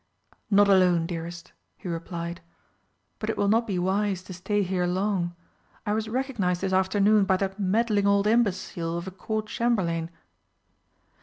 "Not alone, dearest," he replied. "But it will not be wise to stay here long. I was recognised this afternoon by that meddling old imbecile of a Court Chamberlain."